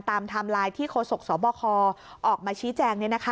ไทม์ไลน์ที่โฆษกสบคออกมาชี้แจง